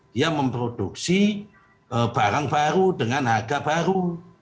dia memproduksi barang baru dengan harga baru